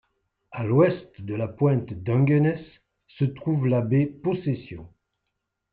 À l'ouest de la pointe Dungeness se trouve la baie Possession.